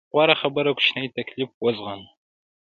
غوره خبره کوچنی تکليف وزغمو.